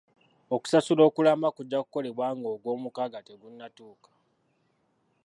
Okusasula okulamba kujja kukolebwa nga ogwomukaaga tegunnatuuka.